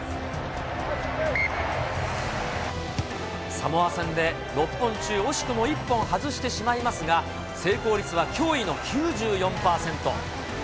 サモア戦で６本中、惜しくも１本外してしまいますが、成功率は驚異の９４％。